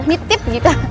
ini tip gitu